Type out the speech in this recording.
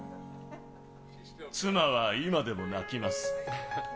妻は今でも泣きます。